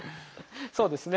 そうですね。